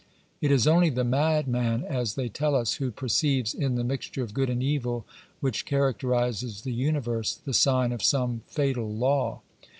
It is only the madman, as they tell us, who perceives in the mixture of good and evil which character ises the universe the sign of some fatal law.